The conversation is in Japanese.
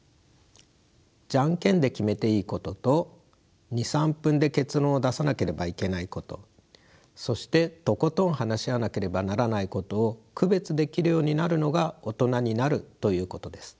ジャンケンで決めていいことと２３分で結論を出さなければいけないことそしてとことん話し合わなければならないことを区別できるようになるのが大人になるということです。